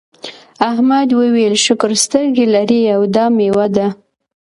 احمد وویل شکر سترګې لرې او دا میوه ده.